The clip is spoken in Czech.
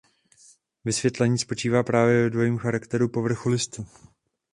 Vysvětlení spočívá právě ve dvojím charakteru povrchu listu.